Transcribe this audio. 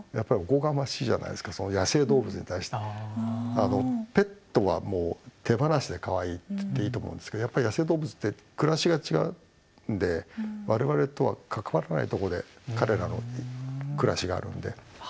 あのペットはもう手放しでかわいいって言っていいと思うんですけどやっぱり野生動物って暮らしが違うんで我々とは関わらないとこで彼らの暮らしがあるんで。